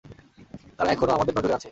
তারা এখনো আমাদের নজরে আছে।